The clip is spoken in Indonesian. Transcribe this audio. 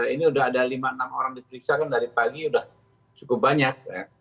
ini sudah ada lima enam orang diperiksa kan dari pagi sudah cukup banyak